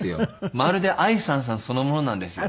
まるで『愛燦燦』そのものなんですよね。